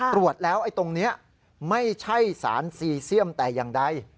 ตรวจแล้วไอ้ตรงนี้ไม่ใช่สารซีเซียมแต่อย่างใด